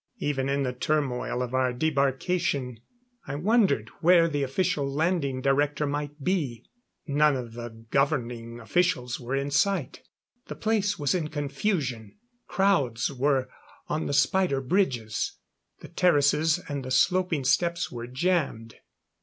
Even in the turmoil of our debarkation, I wondered where the official landing director might be. None of the governing officials were in sight. The place was in confusion. Crowds were on the spider bridges; the terraces and the sloping steps were jammed.